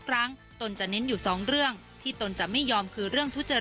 และก็ไม่ได้ยัดเยียดให้ทางครูส้มเซ็นสัญญา